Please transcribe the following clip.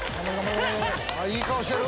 いい顔してる！